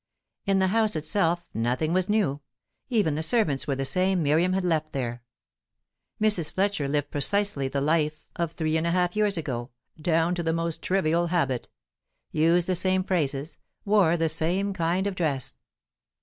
In the house itself nothing was new; even the servants were the same Miriam had left there. Mrs. Fletcher lived precisely the life of three and a half years ago, down to the most trivial habit; used the same phrases, wore the same kind of dress.